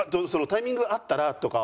「タイミングがあったら」とか。